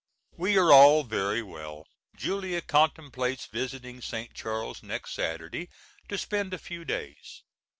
We are all very well. Julia contemplates visiting St. Charles next Saturday to spend a few days.